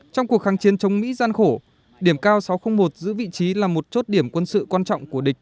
trong cuộc kháng chiến chống mỹ gian khổ điểm cao sáu trăm linh một giữ vị trí là một chốt điểm quân sự quan trọng của địch